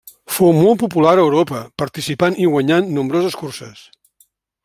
Fou molt popular a Europa participant i guanyant nombroses curses.